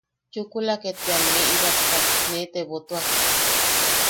Chukula ket bea nee ibaktak, nee tebotuak.